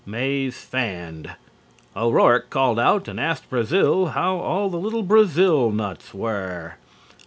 Mays fanned. O'Rourke called out and asked Brazill how all the little brazil nuts were.